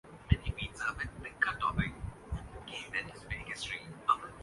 روپے کے مقابلے میں ڈالر کی قدر ماہ کی کم ترین سطح پر پہنچ گئی